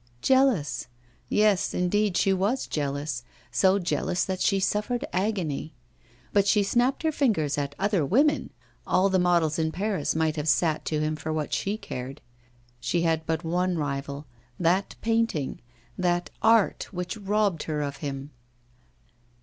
Jealous! Yes, indeed she was jealous, so she suffered agony. But she snapped her fingers at other women; all the models in Paris might have sat to him for what she cared. She had but one rival, that painting, that art which robbed her of him.